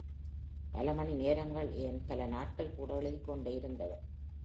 பல மணி நேரங்கள் ஏன் பல நாட்கள் கூட எழுதிக் கொண்டே இருந்தவர்.